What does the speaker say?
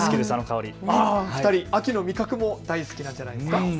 お二人秋の味覚、大好きなんじゃないですか？